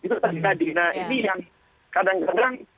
itu tadi tadi nah ini yang kadang kadang